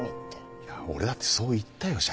いや俺だってそう言ったよ社長に。